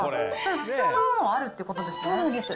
必要なものはあるってことですよ